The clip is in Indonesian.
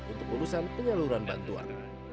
untuk urusan penyaluran bantuan